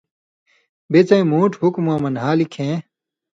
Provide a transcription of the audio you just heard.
بِڅَیں مُوٹ حُکمؤں مہ نھالیۡ کھیں